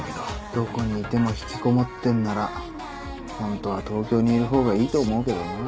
どこにいても引きこもってんならホントは東京にいる方がいいと思うけどな。